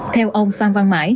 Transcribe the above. theo ông phan văn mãi